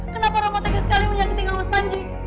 kenapa romo tegak sekali menyakiti mas panji